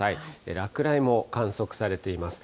落雷も観測されています。